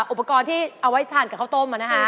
อุปกรณ์ที่เอาไว้ทานกับข้าวต้ม